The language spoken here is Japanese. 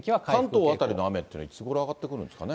関東辺りの雨というのはいつごろ上がってくるんですかね。